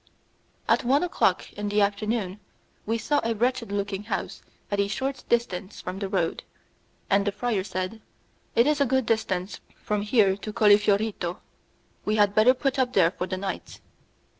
About one o'clock in the afternoon, we saw a wretched looking house at a short distance from the road, and the friar said, "It is a good distance from here to Collefiorito; we had better put up there for the night."